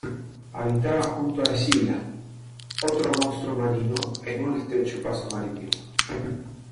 Habitaba junto a Escila, otro monstruo marino, en un estrecho paso marítimo.